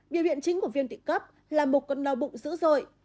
việc hiện chính của viên tụy cấp là một con đau bụng dữ dội